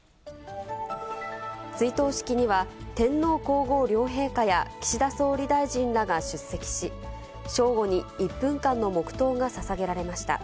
追悼式には、天皇皇后両陛下や岸田総理大臣らが出席し、正午に１分間の黙とうがささげられました。